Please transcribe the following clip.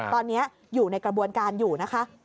ตอนนี้อยู่ในกระบวนการอยู่นะคะ